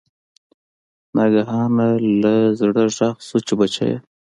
ناګهانه له زړه غږ شو چې بچیه!